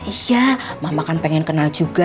iya mama kan pengen kenal juga